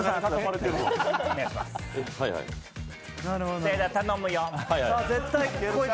それでは頼むよ。